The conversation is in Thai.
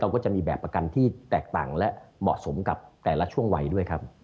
ก็จะมีแบบประกันที่แตกต่างและเหมาะสมกับแต่ละช่วงวัยด้วยครับ